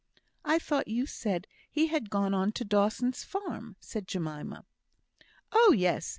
"I thought you said he had gone on to Dawson's farm," said Jemima. "Oh, yes!